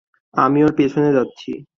আমি ওর পেছনে যাচ্ছি।